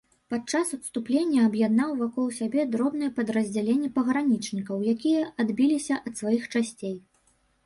Падчас адступлення аб'яднаў вакол сябе дробныя падраздзяленні пагранічнікаў, якія адбіліся ад сваіх часцей.